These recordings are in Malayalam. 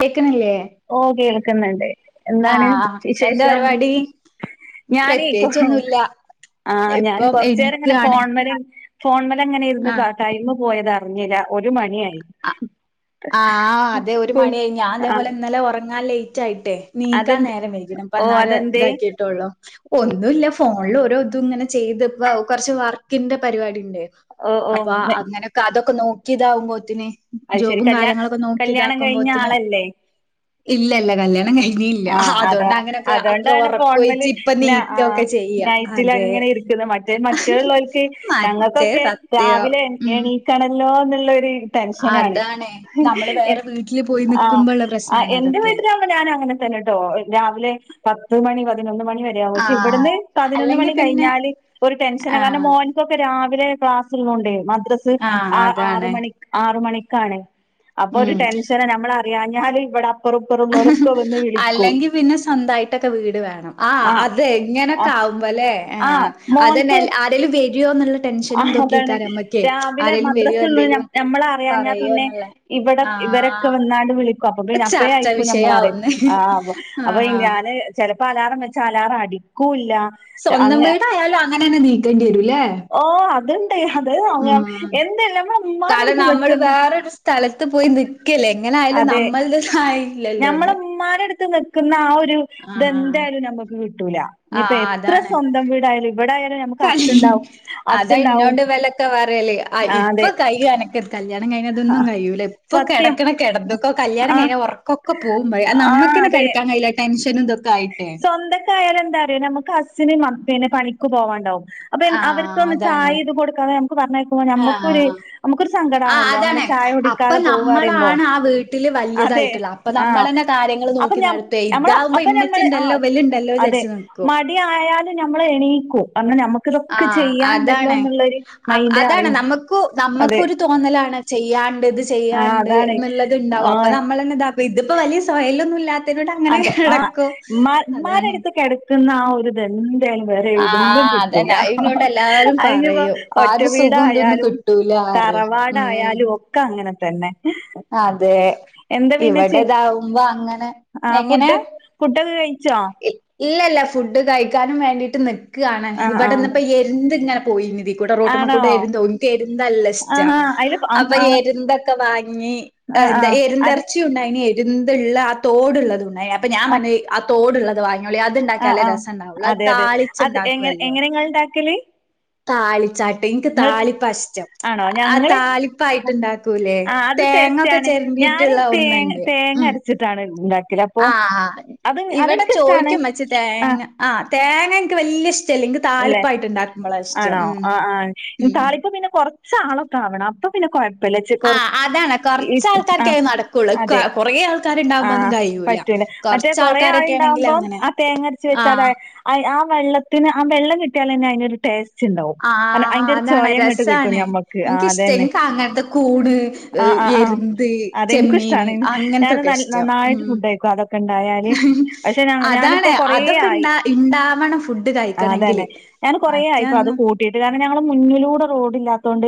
കേക്ക്ണ്ല്ലേ ഓ കേൾക്കുന്ണ്ട് എന്താണ് എന്താ വിശേഷം പരിപാടി ഞാന് പ്രത്യേകിച്ചൊന്നുല്ല ഇപ്പം ആഞാന്കൊർചേരങ്ങനെ എണീക്കാണ് പോൺമല് ആഹ് ഫോൺമലങ്ങനെഇരുന്ന്ടൈമ് പോയത് അറിഞ്ഞിലഒരുമണിആയി അ- ആഹ് അതെ ഒരു മണിയായി ആ ഞാൻതേപോലെ ഇന്നലെ ഉറങ്ങാൻ ലേറ്റ് ആയിട്ടേ. നീക്കാൻ അതെന്ത് നേരം വെകി ഓ അതെന്തേ പന്നാരെതാക്കിട്ടുള്ളൂ ഒന്നുല്ല ഫോൺല് ഓരോതും ഇങ്ങനെ ചെയ്ത്പ്പ കൊറച് വർക്കിന്റെ പരിപാടിണ്ട് ഓ ഓ അപ്പ അങ്ങനക്കെ അതൊക്കെ നോക്കിതാവുമ്പോത്തിന് അത്ശരി കല്യാ കല്ല്യാണംകഴിഞ്ഞ ആളല്ലേ ഇല്ല ഇല്ല കല്യാണംകഴി ഇല്ല ഇല്ല ആഹ് അതാ അതൊണ്ട് അങ്ങനെക്കെ അത്ര അതോണ്ടാണ് ഉറക്കോഴിച്ച് ഫോൺമല് ന ആഹ് ഇപ്പനീകൊക്കെ ചെയ്യാ അതെ നൈറ്റിലങ്ങനെ മറ്റേ മറ്റേലോൽക്ക് മറ്റേ ഞങ്ങൾക്കൊക്കെ സത്യം. രാവിലെ ഉം. എണ് കണല്ലോന്നുള്ളൊര് ടെൻഷനാണ് അതാണ്. ഹ് നമ്മള് ഏ വേറെ വീട്ടില് പോയി ആഹ് നിക്കുമ്പള്ള പ്രശ്നാണ് അതൊക്കെ. ആഎന്റെവീട്ടില പ്പ ഞാനങ്ങനെതന്നെട്ടൊ രാവിലെ പത്ത്മണി പതിനൊന്ന്മണി വ [unintelligible] ആഹ്. പക്ഷെഇവിടുന്ന് അല്ലെങ്കി പതിനൊന്ന്മണി പിന്നെ കഴിഞ്ഞാല് ഒരുടെൻഷന കാരണം ആഹ് മോൻ കൊക്കെ രാവിലെ ക്ലാസ്ള്ളൊണ്ടേ മദ്രസ്സ് ആഹ് ആറ്മണി ഉം. ആറ്മണിക്കാണ്അപ്പൊഒരുടെൻഷന നമ്മളറിയാഞ്ഞാല്ഇവിടെ പറപറല്ലോലൊക്കെവന്നെ അല്ലെങ്കി പിന്നെ സ്വന്തയിട്ടൊക്കെ വീട് വേണം ആഹ് അതെ ഇങ്ങനൊക്കെ ആഹ് ആവുമ്പോല്ലേ ആഹ് അതന്നെ ആരെലും വെരോന്ന് ആഹ അതാണ് രാവിലെ വരോ മദ്രാസ്സുള്ളത്ഞ്ഞം എന്തേലും ഞമ്മളറിയാഞ്ഞാ പിന്നെ പറയോന്ന്ള്ള ഇബ്ടെ ഇവരൊക്കെ ആഹ് വന്നാലും വിളിക് അപ്പപ്പിന്നെ അപ്പഴേ ചർച്ചാ ആയ്ര്ക്കും ഞമ്മളറിയ വിഷയാവുന്ന്. അപ്പൊ ഈ ആഹ് ഞാന് ചെലപ്പം അലാറം വെച്ചാ അലാറം അടിക്കൂല്ലാ സ്വന്തം വീടായാലും അങ്ങെനെന്നെ നിക്കേണ്ട്യെരും ലേ ഓ അതുണ്ട് അത്അങ്ങഎന്തല്ലാം ഉ മ്മാരെടുത്ത് നിൽക്കുന്നു ലത്ത് പോയി നിക്കല്ലേ എങ്ങനെയായാലും നമ്മളുടെ സഹായല്ലോന്ന് മ്മാരെടുത്തുന്നു ക്കുന്ന ആ ഒരു ആഹ്. ഇതെന്തായാലും നമ്മക്ക് കിട്ടൂല ആഹ് ഇഞ്ഞിപ്പഎത്ര സ്വന്തം വീടായാലും ഇവിടെയാലോ ഞമ്മ ക അതാ ഇന്നോണ്ട് വലൊക്കെ പറ്യേല് ആഹ് ഇപ്പൊ അതെ കൈയ്യു അന കല്യാണം കഴിഞ്ഞാതൊന്നും കഴിയൂല ഇപ്പൊ സത്യം കെടക്കണകെടത്തൊക്കൊ കല്യാണം ആഹ് കഴിഞ്ഞാൽ ഒറക്കൊ ഒക്കെ പോകുമ്പഴേആ ആഹ് നമ്മക്കെന്നെ കെടക്കാൻ കഴിയില്ല ടെൻഷനും ഇതൊക്കെ ആയിട്ട് സ്വന്തെക്കായാലെന്താറ്യോ ഞമ്മക്ക് അസ്സിന് മക്കെ പിന്നെ പണിക്ക് പോവാണ്ടാവും അപ്പൊ എന്ന് ആഹ് അവര്ക്കൊന്ന് അതാണ്. ചായിട്ട് കൊട്ക്കാതെ ഞമ്മക്ക് പർഞ്ഞയ്ക്കുമ്പം ആഹ് ഞമ്മക്കൊര് ആഹ് ഞമ്മക്കൊര് ആ സങ്കടാണല്ലോ അങ്ങനെ അതാണ്. ചായ അപ്പ കുടിക്കാതെ പോവ്വാപറയുമ്പോ. നമ്മളാണ് ആ വീട്ടില് അതെ.. വല്യതായിട്ടുള്ള. അപ്പ ആ നമ്മളന്നെ കാര്യങ്ങള് അപ്പൊ നോക്കി ഞ്ഞം നടത്തുവേ. ഇതാവുമ്പോ ഞമ്മളഅപ്പൊ ഞമ്മള് ഇമ്മച്ചിണ്ടല്ലോ ആഹ് ഇവലുണ്ടല്ലോ അതെ വിചാരിച്ച് നിക്കും. മടിയായാലും നമ്മൾ എണീക്കും. അങ്ങനെ നമ്മുക്ക് ക്ക് ഇതൊക്കെ ആഹ് അതാണ്. ചെയ്യാണ്ടല്ലോന്ന്ള്ളൊരു അപ് മൈൻഡാണ് അതാണ് നമ്മക്കു അതെ നമ്മക്കൊരു തോന്നലാണ് ചെയ്യാണ്ടത് ആഹ് ചെയ്യാണ്ട് അതാണ് എന്ന്ള്ളത്ണ്ടാവും അപ്പൊ ആഹ് നമ്മളന്നെ ഇത പ്പ ഇത്പ്പ വല്യ സ്വഹെലൊന്നും ഇല്ലാ അതൊ ആഉമ്മ അതാണ്. ഉമ്മാരെടുത്തു കിടക്കുന്ന ആ ഒരു തെന്തായാലും വേറെ എവിടുന്നും ആഹ് കിട്ടൂല. അതന്നെ. ഹഹ അയിനോട് ഹ എല്ലാരും അതിഞ്ഞിപ്പോ പറയും. ആ ഒറ്റ ഒരു സുഖം ഇതൊന്നും വീടായാലും കിട്ടൂല പറയും. ഉം തറവാടായാലും ഒക്കെ ങ്ങനെത്തന്നെ അതെ.. ഇവിടെതാവുമ്പൊ അങ്ങനെ ആ ഫുഡ് ഫുഡൊക്കെ കഴിച്ചോ? ഇല്ലല്ലാ ഫുഡ് കയിക്കാനും വേണ്ടിട്ട് ന് ക്കാണ് ആഹ് ആഹ് ഇവിടെന്നിപ്പോ എര്ന്ത്‌ ഇങ്ങനെ പോയിനു ഇ‌തീക്കൂടെ ആണോ റോട്ടുമ്മക്കൂടെ എരുന്ത്‌ഒനിക്ക് എരുന്തല്ല ഇഷ്ട ആഹാ അയില് ആഹ് അപ്പൊ ആഹ് എര്ന്തൊക്കെ വാങ്ങി ആഹ് എന്താ ആഹ് അത് എരിന്തെർച്ചി ഉണ്ടായിനി എ എന്തുള്ള ആ തോടുള്ളത് ഉണായി അപ്പ ഞാൻ ആഹ് പറഞ് ആ തോടുള്ളത് വാങ്ങി ള്യേ ആഹ് അത്ണ്ടാക്ക്യാലേ ആഹ് രെസണ്ടാവാെള്ളൂ അത് അതെ അതെ താളിച്ച് അത് എങ്ങനെ ണ്ടാക്കുവല്ലോ എങ്ങനെ ഇങ്ങള് ഇണ്ടാക്കല്? താളി ചാ ട്ട് ഇൻക്ക് ഇങ്ങൾ താളിപ്പാഷ്ടം ആണോ ആ ഞങ്ങള് താളിപ്പായ്ട്ട്ണ്ടാക്കൂലേ തേങ്ങൊക്കെ ന്ന് ഞാന് ചെരണ്ടിയിട്ടുള്ള തേങ്ങ് തേങ്ങരച്ച്ട്ടാണ് ണ്ടാ ആ ഇവടെ ചോയിക്കും മ്മച്ചി ആഹ് തേങ്ങ ആ തേങ്ങ എനിക്ക് വല്യഇഷ് ഇല്ലെ ആണോ ഉം ആ ആ ഉം. താളിപ്പ് പിന്നെ കൊറച്ചാളൊക്കെ ആവണംഅപ് അപ്പ പിന്നെ കൊഴപ്പില്ല ജ് കൊർ ആഹ് അതാണ് ഇ കൊറച്ചാൾക്കാർക്കേ ആഹ് അത് നടക്കൊള്ളൂ. ക അതെ കൊറേ ആൾക്കാര്ണ്ടാവുമ്പോ ഒന്നും ആഹ് കഴിയൂല. പര് റ്റൂലാ മറ്റേ കൊറേ കൊറച്ചാൾക്കാരൊക്കെ ആണെങ്കില് ആള്ണ്ടാവുമ്പം അങ്ങനെ. ആ തേങ്ങര്ച്ച് വെച്ചാലെ ആഹ് അയ് ആ വെള്ളത്തിന് ആ വെള്ളം കിട്ടിയാലെന്നെ അയിനൊരു ടേസ്റ്റ് ആഹ് ആഹ് അതാണ് കിട്ടും രസാണ് ഞമ്മക്ക് ആഹ് ൻക്കിഷ്ടാ അതന്നെ ൻക്കങ്ങൻത്തെ കൂണ് ആഹ് ആഹ് ആഹ് എര്ന്ത് അതെനിക്കും ചെമ്മീന് ഇഷ്ടാണ് ഞാൻ നല്ല അങ്ങൻത്തൊക്കെഷ്ടം നന്നായിട്ട് ഉം ഫുഡ് കഴിക്കും അതൊക്കെ ഇണ്ടായാല് പക്ഷെ ഞാ ഞാനിപ്പോ അതാണ് അതൊക്കെണ്ടാ ഇണ്ടാവണം ഫുഡ് ആ അതന്നെ കഴിക്കണെങ്കില്. ഞാൻ കൊറേ ഇപ്പൊ അത് മറ്റൊന്നും കൂട്ടിയിട്ട് കാരണം ഞങ്ങളെ മുന്നിലൂടെ റോഡില്ലാത്തോണ്ട്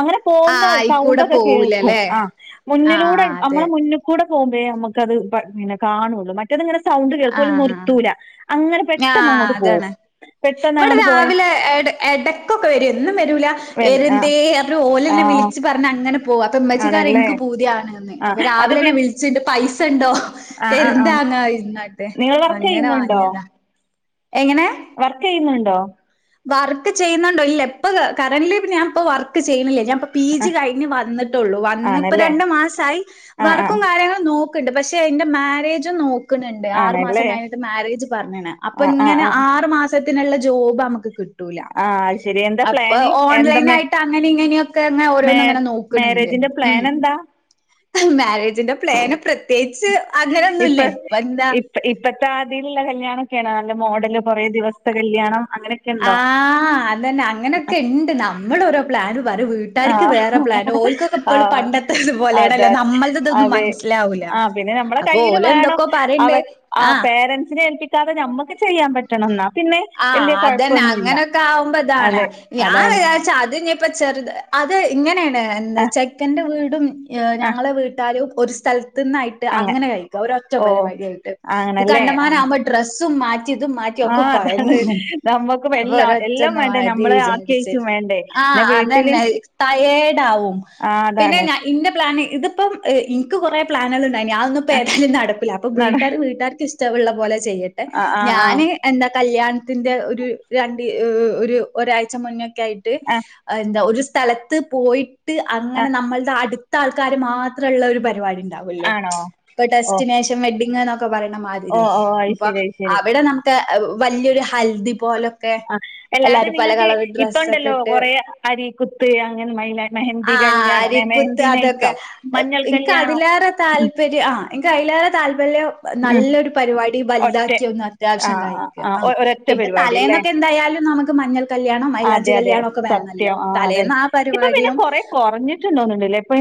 അങ്ങകനെ പോവുന്ന ആഹ് അയിക്കൂടെ സൗണ്ടൊക്കെ കേൾക്കും പോവൂലല്ലേ ആഹ് മുന്നിലൂടെ ആഹ് അതെ അമ്മളെ മുന്ന് കൂടെ പോവുമ്പേ ഞമ്മക്കത് പ പിന്നെ കാണാെള്ളൂ മറ്റേത്ങ്ങനെ സൗണ്ട് കേൾക്കും ഓല് ആഹ് ന്ർത്തൂല അങ്ങനെ ആഹ് പെട്ടെന്നങ്ങോട്ട് പോവും. പെട്ടെന്നങ്ങോട്ട് പോയ എ എട എടക്കൊക്കെ വെരും എന്നും വെരൂലാ പിന്നെ എരുന്തേ റഞ്ഓലെന്നെ ആഹ് വിളിച്ച് പഞ്ഞഅങ്ങനെ പോകും അപ്പൊ ഉമ്മച്ചിക്കറിയ ആണല്ലേ ഇൻക്ക് പൂതിയാണ്ന്ന് ആഹ് അപ്പൊ അത് പി രാവിലെന്നെ വിളിച്ചിണ്ട്‌ പൈസണ്ടോഹ് ആഹ് ആഹ് ആഹ് എരുന്താങ്ങായിരുന്നാട്ട് നിങ്ങൾ വർക്ക് അങ്ങനെ വാങ്ങിയതാ.. എങ്ങനെ വർക്കെയ്യുന്നുണ്ടോ? വർക്ക് ചെയ്യുന്നുണ്ടോ? ഇല്ല ഇപ്പൊ ക കറന്റ്ലീ ഞാൻപ്പ വർക്ക് ചെയ്ണില്ല ഞാപ്പം പി. ജി കഴിഞ്ഞ് വന്ന്ട്ടുള്ളൂ. വന്നപ്പ ആണല്ലേ രണ്ടു മാസായി ആഹ് ആഹ് വർക്കും കാര്യങ്ങളും നോക്ക ണ്ട് പക്ഷെ ഇന്റെ മാരേജ് നോ നോക്ണണ്ട് ആറ് മാസം ആണല്ലേ കഴിഞ്ഞിട്ട് മേരെജ് പറഞ്ഞീണ് ആഹ് ആഹ് അപ്പങ്ങനെ ആഹ് ആറ് മാസത്തിന്ള്ള ജോബമ്മക്ക് ത് കിട്ടൂല ആഹ് ശരി എന്താ അപ്പൊ പ്ലാന് എന്താ മേ ഓൺലൈനായിട്ടങ്ങനെ ഇങ്ങനെയൊക്കെ ഇങ്ങ ഓരോന്നിങ്ങനെ നോ മേരേജിന്റെ പ്ലാനെന്താ? ഇഹ്, മാരേജിന്റെ പ്ലാന് പ്രത്യേകിച്ച് അങ്ങനൊന്നുല്ല. ഇപ്പൊ എന്താ [unintelligible] ഇപ്പത്തെ ആതില്ള്ള കല്യാണക്കെയാണ് നല്ല മോഡല് കുറേ ദിവസത്തെ കല്യാണം അങ്ങെനെ ആഹ് അതന്നെ അങ്ങനൊക്കെണ്ട് നമ്മളൊരു പ്ലാന് [unintelligible] വീട്ടാര്ക്ക് ആഹ് വേറെ പ്ലാന് ഓൽക്കൊക്കെപ്പളും ആഹ് പണ്ടത്തെത് അതെ പോലെടല്ലന്ന് നമ്മൾത് തൊന്നും അതെ മനസ്- ലാവൂല ആഹ് പിന്നെ നമ്മളെ അപ്പൊ കയ്യില് വേണം ഓലെന്തൊക്കൊ പറണ്ട് അവർ ആ ആഹ് പേരൻസിനെ [unintelligible] ഞമ്മക്ക് ചെയ്യാൻ പറ്റ്- ട്ടണം ന്നാപിന്നെ ആഹ് അതന്നെ അങ്ങനൊക്കാവുമ്പതാണ് അതെ ഞാൻ അതാണ് വിചാര്ച്ച അത്ഞ്ഞ് ഇപ്പ ചെറുത് അത് ഇങ്ങെനാണ് ആഹ് എന്താച്ചെക്കന്റെ വീടും ആഹ് ഞങ്ങളെ വീട്ടാ എല്ലാരുംഒരു സ്ഥലത്ത്ന്നായിട്ട് അങ്ങെ അങ്ങനെ കഴിക്കാം ഒരൊറ്റ ഓ പരിവാടിയായിട്ട് ആണല്ലേ ആഹ് കണ്ടമാനവുമ്പ ഡ്രസ്സും മാറ്റിംതും മാറ്റി ഒക്കെ കൂ ആഹ് അതാണ് കോയങ്ങും നമ്മക്കും അപ്പൊ എല്ലാ എല്ലാം വേണ്ടേ ഒരൊറ്റൊന്ന്മതി നമ്മളെ വിചാര്ച്ച് ആക്കിയേച്ചും വേണ്ടേ ന്നാ ആഹ് വീട്ടില് അതന്നെ ട്ടയേടാവും ആഹ് പിന്നെ അതാണ് ഞ ഇന്റെ പ്ലാന് ഇതിപ്പം ഇൻ ൻക് കുറേ പ്ലാനുകൾണ്ടായ്നി അതൊന്നുപ്പോ ആഹ് ഏതായാലും നടക്കൂല അപ്പോ നട വീട്ടാര് വീട്ടാര്ക്ക് ഇഷ്ടള്ള പോലെ ചെയ്യ ആഹ് ആഹ് ആഹ് ഞാന് എന്താ കല്യാൺത്തിന്റെ ഒരു രണ്ട് ഒരു ഒരാഴ്ച്ച മുന്നേ ക്കെയായിട്ട് ആഹ് എന്താ ഒരു സ്ഥലത്ത് പോയിട്ട് അങ്ങനെ ആഹ് നമ്മൾടെ അടു ഇപ്പത്തെആൾക്കാര് മാത്രള്ള ഒരു പരിപാടിണ്ടാവല്ലോ, ആണോ ഇപ്പൊ ഓഹ് ഡെസ്റ്റിനേഷൻ വെഡിങ് എന്നൊക്കെ പറയ്ണമാ ഓഹ് ഓഹ് വ അയ്ശരി അയ്ശരി അവിടെ നമുക്ക് ഔ വലിയൊരു ഹൽദി പോലൊക്കെ ആഹ് അല്ലാതെ എല്ലാരും പല നിങ്ങക്ക് കളർ ഡ്രസ്സൊക്കെ ഇപ്പണ്ടല്ലോ ഇട്ട് കൊറേ അരികുത്ത് അങ്ങനെ മൈല- മെഹന്തി ആഹ് കല്യാണം നെ അരിക്കുത്ത് മെഹന്തി അതൊക്കെ നൈറ്റോ മഞ്ഞൾ ഇന്ക്ക് കല്യാണം അതിലേറെ ഉം താല്പര്യം ആഹ് എൻക്ക് അയ്ലേറെ താല്പല്യം ഉം നല്ലൊരു പര്വാടി വല്താക്കി ഒന്ന് അത്യാവശ്യം കയിക്ക. ഒ ഒരൊറ്റ പരിവാടില്ലേ നമുക്ക് മഞ്ഞൾ കല്യാണം അതെ മൈലാഞ്ചി അതെ കല്യാണം ഒക്കെ വേണല്ലോ സത്യം ആഹ് അതെന്നെ തലേന്ന് ആ ഇപ്പൊപിന്നെ പരിപാടിയും കൊറേ കൊറഞ്ഞിട്ട്ണ്ടോന്ന്ണ്ടിലെ ഇപ്പൊ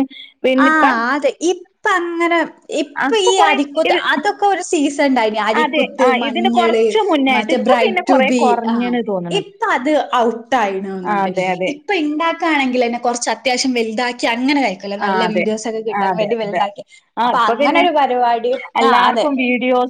പിന്നിപ്പം ആഹ് അതെ ഇപ്പങ്ങനെ ഇപ്പ അപ്പൊ യീ കൊറേ അരികുത്ത് ഇത് അതൊക്കെ ഒരു സീസൺണ്ടായ്നി. അതെ അരിക്കുത്ത് ആ ഇതിന്റെ മഞ്ഞള് കൊറച്ച് മുന്നായിട്ട് മറ്റേ ഇപ്പൊ ബ്രൈഡ് പിന്നെ കൊറേ ട്ടുബി ആഹ് കൊറഞ്ഞണ് തോന്ന്ണ് ഇപ്പത് ആ ഔട്ടായിണൊന്ന്ണ്ട് ഇപ് അതെ അതെ ഇപ്പണ്ടാക്കാണെങ്കിലെന്നെ കൊറച്ച് അത്യാവശ്യ വല്താക്കി അങ്ങനെ കയി ല ആ നല്ല അതെ വീഡിയോസൊക്കെ ആ കിട്ടാൻ അതെ വേണ്ടി അതെ വെൽതാക്കിയെ ആ അപ്പൊ ഇപ്പൊ പിന്നെ അങ്ങനൊരു പരിവാടിയും ആഹ് അതെ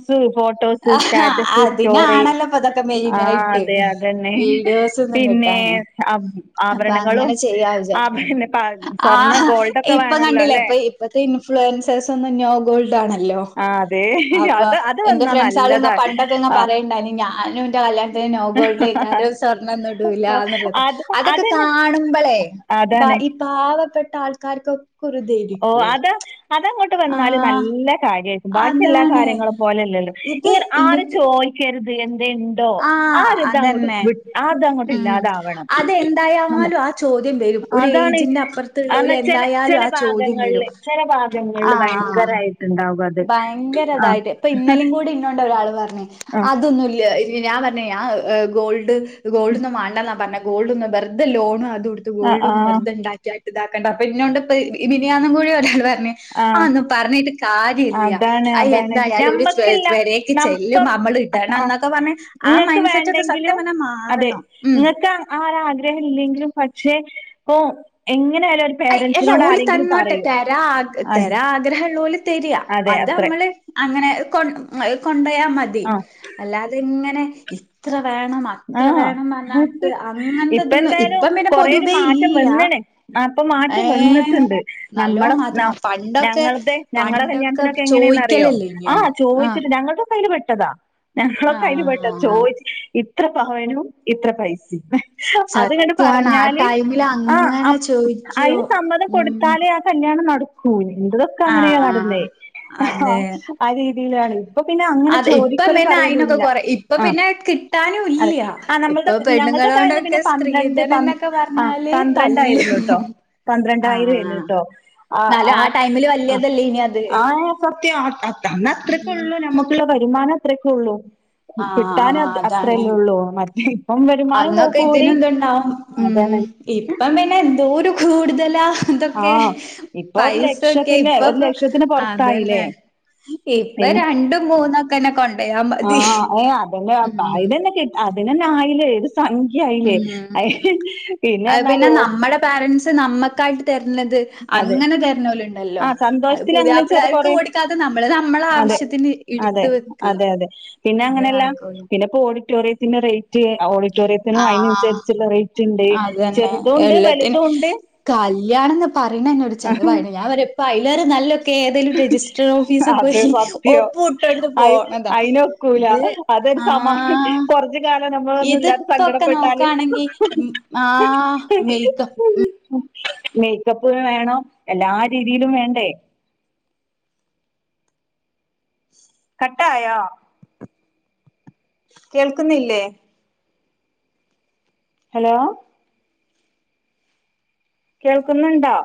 ത് ഫോട്ടോസ്, സ്റ്റാറ്റസ്, സ്റ്റോറി ഇപ്പതൊക്കെ ആ മെയ്നായിട്ട് അതെ അതന്നെ വീഡിയോസൊന്നും പിന്നെ കിട്ടാന് ആ- അപ്പൊ ആഭരണങ്ങളും അങ്ങനെ ചെയ്യാ ആ വിചാരിക്ക്ണ്ട്. പിന്നെ പ- സ്വർണ്ണ ആഹ് ഗോൾഡൊക്കെ ഇപ്പ വേണല്ലോ കണ്ടില്ലെ അല്ലെ ഇപ്പയി ഇപ്പത്തെ ഇൻഫ്ലുവൻസേഴ്സൊന്നും നോ ഗോൾഡ് ആണല്ലോ ആ അതെ അപ്പൊ അത് അത് ഇന്റെ വന്നാ ഫ്രണ്ട്സാൾ ഇങ്ങ നല്ലതാ പണ്ടൊക്കെ ഇങ്ങ ആ പറയ്ണ്ടായ്നി ഞാനുന്റെ കല്ല്യാണ നോഗോൾടെ [unintelligible] സ്വർണ്ണന്നുടൂലാന്ന്ള്ളത് അത് അതൊക്കെ അതെന്നെ കാണുമ്പളേ ബാ അതാണ് ഈ പാവപ്പെട്ട ആൾക്കാര്ക്കൊ ഓഹ് അതാ അതങ്ങോട്ട് വന്നാല് ആഹ് നല്ല കാര്യായ് ബാക്കി എല്ലാ അതാണ് കാര്യങ്ങളും പോലെല്ലല്ലോ ഇത് ഇങ്ങനെ ആരും ഇനിക്ക് ചോയ്ക്കെര്ത് എന്തെ ഓഹ് ആഹ് ആര് തങ്ങോട്ട് അതന്നെ വിട് ആതങ്ങോട്ട് ഉം ഇല്ലാതാവണം അല്ലെ അതെന്തായാലും ആ ചോദ്യം വരും. ഒരു അതാണ് ഏജിന്റെ അപ്പുറത്തുള്ളോല് ആന്നെച്ചാല് എന്തായാലും ആ ചോദ്യം വരും. ചെലഭാഗങ്ങൾള് ചെലഭാഗങ്ങൾള് ബയങ്കരായ് യിട്ടിണ്ടാവും ബയങ്കരതായിട്ട് ഇപ്പ ഇന്നലിംകൂടി ഇനൊണ്ടൊരാള് പറ്ഞ്ഞ് ആ അത് അതൊന്നുംല്യ ഞാൻപർഞ്ഞേ ഞാ ഗോൾഡ് ഗോൾഡൊന്നും മാണ്ടന്ന പറഞ്ഞേ ഗോൾഡ ഒന്ന് വെറുത ലോണു അതു കൊടുത്ത് ഗോൾഡ് ആ ആ ഒന്ന് വെുർത ഇ ണ്ടാക്കിയ ഇതാക്കണ്ട അപ്പൊ ഇന്നോണ്ട് ഇപ്പ മിനിയാന്നും കൂടി ഒരാള് പറഞ്ഞു ആ അതൊന്നും പറഞ്ഞിട്ട് കാ [unintelligible] ഇല്ല്യ അതാണ് അയ് അതാണ് എന്തായാലും ഒരു ചെ ഞമ്മക്കില്ല പെരേക്ക് നം ഇപ്പം ചെല്ലുമ്പം അമ്മള് ഇടണം ആഹ് എന്നൊക്കെ പറഞ്ഞു ആ ഇങ്ങക്ക് മൈൻഡ് സെറ്റ് ഒക്കെ സത്യം വേണ്ടെങ്കിലും പറഞ്ഞ അതെ മാറണം ഉം ഇങ്ങക്ക് ആ ഒരു ആഗ്രഹം ഇല്ലെങ്കിലും പക്ഷെപ്പെ എങ്ങനെയായാലും എല്ല ഓല് തന്നോട്ടെ തെരാ ആഗ് അത് തെരാ ആഗ് [unintelligible] ഇള്ള പോലെ തരിയാ അതെ അത് അത്രേ അമ്മള് അങ്ങനെ കൊ കൊണ്ടോയാ മതി ആഹ് അല്ലാതെ ഇങ്ങനെ ഇത്ര വേണം അ ആഹ് ഇപ്പ എന്തായാലും ഇപ്പം പിന്നെ കൊറേ ഒരു പൊതുവേ മാറ്റം ഇല്ല വന്നിന് ആഹ് ഇപ്പം മാറ്റം ഏഹ് വന്നിട്ട്ണ്ട് നമ്മള നല്ലോം ഞ മാറ്റം വ പണ്ടൊക്കെ ഞങ്ങളതെ ഞങ്ങള പണ്ടൊക്കെ കല്യാണത്തിനൊ [unintelligible] എങ്ങനെന്നറിയോ ചോയിക്കലല്ലേന്യോ ആഹ് ആഹ് ചോയിച്ചിട്ട് ഞങ്ങളുടേക്ക അയില് പെട്ടതാ ഞങ്ങളൊക്കെ ആഹ് അയില് പെട്ട ആഹ് ആഹ് ചോദിച് ഇത്ര പവേനു ഇത്ര പൈസേ അത്കണ്ട് സത്യാണ് ആ പറഞ്ഞാല് ടൈമില് ആ അങ്ങനെ അപ് ചോയിക്കും അയിന് സമ്മതം ഉം കൊടുത്താലേ അത് കല്യാണം നടക്കൂ എന്റതൊക്കെ അങ്ങനെയ നടന്നേ ആഹ് ആഹ് അതെ ആ രീതീലാണ് ഇപ്പൊ പിന്നെ അങ്ങനെ അത് ഇപ്പം ചോദിക്കലും പിന്നെ അയിനൊക്കെ പറയലുല്ല കൊറ ഇപ്പൊ ആഹ് പിന്നെ കിട്ടാനും അതെ ഇല്ല്യ. ആഹ് നമ്മൾടെ ഇപ്പൊ ഞങ്ങൾടെ കൈയിന്ന് പെണ്ണുങ്ങളോണ്ടൊക്കെ പിന്നെ പന്ത്രണ്ട് സ്ത്രീധനം പ എന്നൊക്കെ ആഹ് പറഞ്ഞാല് പ [unintelligible] ആയിരുന്നു തല്ലും. കേട്ടോ പന്ത്രണ്ടായിരം ആഹ് ആയിരുന്നേട്ടോ ആഹ് എന്നാലും ആ ആഹ് ടൈമില് അഹ് വല്യതല്ലേനി അത്. ആഹ് സത്യാ അ അത് അന്ന് അത്രക്കേ ഉം ഉള്ളൂ നമുക്കുള്ള വരുമാനം അത്രക്കെ ഉള്ളൂ ആഹ് കിട്ടാനത് അ അതാണ്. [unintelligible] കൂ അന്നൊക്കെ കൂടി ഇതിനെന്തുണ്ടാവും ഉം അതാണ് ഇപ്പം തന്നെ എന്തോരു കൂടുതലാ ആ ഇതൊക്കെ ഇപ്പൊ ഒരു പൈസൊക്കെ ലക്ഷത്തിന്റെ ഇപ്പൊ ഒരു ലക്ഷത്തിന് അതെ പൊറത്തായില്ലേ ന്നെ ഇപ്പ പിന്നെ രണ്ടും മൂന്നൊക്കന്നെ കൊണ്ടയാ ആ മതി ഏ അതന്നെ ഉം അതിനന്നെ കിട്ട അതിനന്നെ ആയില്ലേ ഒരു സംഖ്യ ആയില്ലേ അയ് ഉം പിന്നെ അത് പറഞ്ഞാല് ഒ നമ്മടെ പാരന്റ്സ് നമ്മക്കായിട്ട് തരണത് അതെ അങ്ങന ആ തരണോലുണ്ടല്ലോ അത് സന്തോഷത്തിൽ അങ്ങനെ ചെറു പുതിയാപ്പിളാർക്ക് കൊറേ കൊട്ക്കാതെ നമ്മള് നമ്മള അതെ ആവിശ്യത്തിന് അതെ അതെ അതെ പിന്നെ അങ്ങനെയല്ല നടക്കുള്ളൂ. പിന്നെപ്പോ ഓഡിറ്റോറിയത്തിന്റെ റെയ് [unintelligible] ആഹ് ഓഡിറ്റോറിയത്തിനും ആഹ് അയിനനുസരിച്ചുള്ള റെയ്റ്റ് ഇണ്ടേ ചെറുതൂണ്ട് വലുതൂണ്ട് കല്യാണം ന്ന് പറയണന്നെ ഒരു ചെലവാണ് ഞാൻ പറയപ്പ അയലേറെ നല്ല ക്കെ ഏതേലും രജിസ്റ്റർ ഓഫീസി അത് പോയി സത്യം ഒപ്പ് ഇട്ടോട്ത്ത് അയി പോണതാ അയിനൊക്കൂല ഇത് അതൊരു സമാ ആഹ് കൊറച് [unintelligible] കാലോം നമ്മളൊന്നും ഇല്ലാതെ ഇതിപ്പൊക്കെ സങ്കടപ്പെട്ടാല് നോക്കാണെങ്കി ഉം ആഹ് മെയ്ക്ക മേക്കപ്പ്ന് വേണം എല്ലാ രീതീലും വേണ്ടേ? കട്ടായോ? കേൾക്കുന്നില്ലേ? ഹലോ കേൾക്കുന്ന്ണ്ടോ?